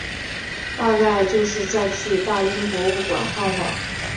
大概就是再去大英博物馆晃晃